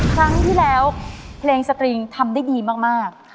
ครั้งที่แล้วเพลงสตริงทำได้ดีมาก